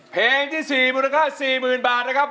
เพลงที่๔มูลค่า๔๐๐๐บาทนะครับ